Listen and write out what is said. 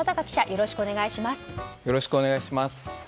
よろしくお願いします。